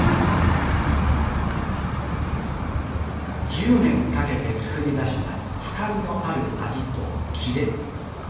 １０年かけて造り出した深みのある味とキレ。